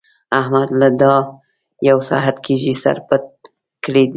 احمد له دا يو ساعت کېږي سر پټ کړی دی.